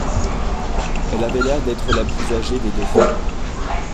Elle avait l’air d’être la plus âgée des deux femmes